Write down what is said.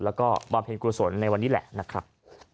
แล้วก็บอมเห็นกลัวสนในวันนี้แหละนะครับ